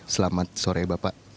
selamat sore bapak